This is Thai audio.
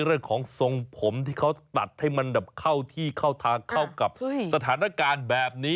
เรื่องของทรงผมที่เขาตัดให้มันแบบเข้าที่เข้าทางเข้ากับสถานการณ์แบบนี้